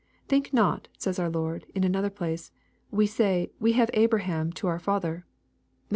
" Think not," says our Lord, in another place, '* to say, We have Abraham to our father." (Matt.